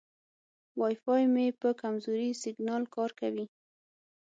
وای فای مې په کمزوري سیګنال کار کوي.